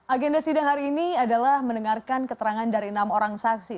agenda sidang hari ini adalah mendengarkan keterangan dari enam orang saksi